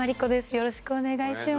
よろしくお願いします。